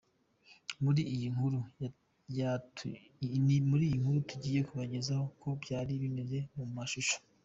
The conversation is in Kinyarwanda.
Muri iyi nkuru tugiye kubagezaho uko byari bimeze mu mashusho.